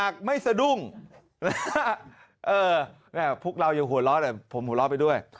ครับ